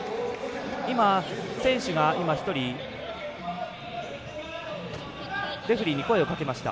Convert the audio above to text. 今、選手が１人レフリーに声をかけました。